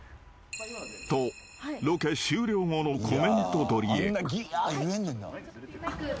［とロケ終了後のコメント撮りへ］